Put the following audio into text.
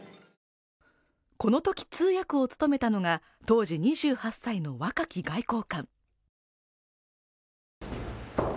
このとき通訳を務めたのが、当時２８歳の若き外交官。